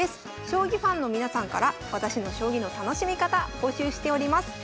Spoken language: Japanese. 将棋ファンの皆さんから私の将棋の楽しみ方募集しております。